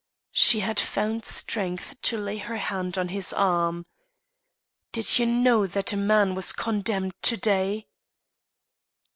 She had found strength to lay her hand on his arm. "Did you know that a man was condemned to day?"